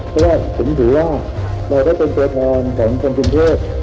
เพราะว่าสิ่งที่ว่าเราก็เป็นตัวแทนของคนปริมเทศ